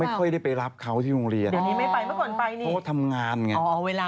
ไม่อยากให้แม่แต่งตัวไปโรงเรียนหรือเปล่า